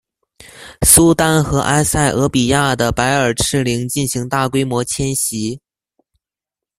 苏丹和埃塞俄比亚的白耳赤羚进行大规模迁徙。